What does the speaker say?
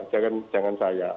jangan jangan saya